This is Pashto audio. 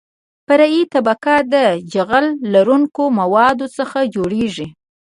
فرعي طبقه د جغل لرونکو موادو څخه جوړیږي